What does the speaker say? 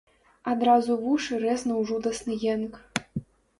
Адразу вушы рэзнуў жудасны енк.